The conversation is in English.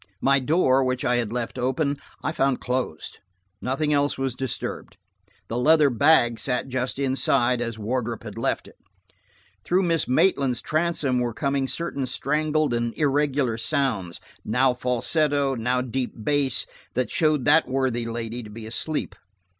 My door, which I had left open, I found closed; nothing else was disturbed. The leather bag sat just inside, as Wardrop had left it. Through Miss Maitland's transom were coming certain strangled and irregular sounds, now falsetto, now deep bass, that showed that worthy lady to be asleep.